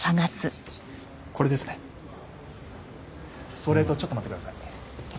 それとちょっと待ってください。